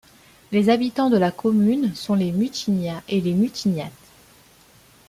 Les habitants de la commune sont les Mutignats et les Mutignates.